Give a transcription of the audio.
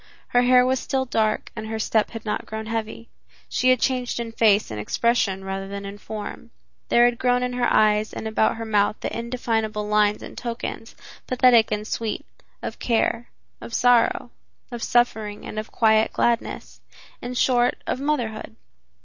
Her hair was still dark and her step had not grown heavy. She had changed in face and expression rather than in form. There had grown in her eyes and about her mouth the indefinable lines and tokens, pathetic and sweet, of care, of sorrow, of suffering and of quiet gladness, in short, of motherhood.